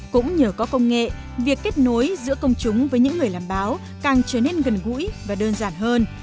cũng nhờ có công nghệ việc kết nối giữa công chúng với những người làm báo càng trở nên gần gũi và đơn giản hơn